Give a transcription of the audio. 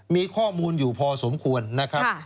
มีข้อมูลอยู่พอสมควรนะครับ